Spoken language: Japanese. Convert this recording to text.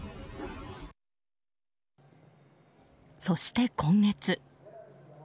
そして今月。